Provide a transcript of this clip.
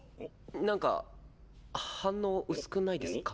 なんか反応薄くないですか？